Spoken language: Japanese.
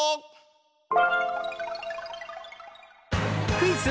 クイズ